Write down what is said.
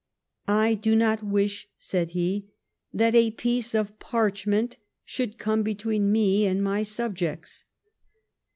" I do not wish," said he, " that a piece of parchment should come between me and my subjects."